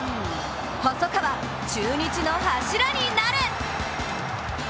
細川、中日の柱になれ！